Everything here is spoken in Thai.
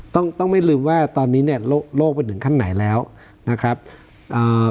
ต้องต้องไม่ลืมว่าตอนนี้เนี้ยโลกมันถึงขั้นไหนแล้วนะครับอ่า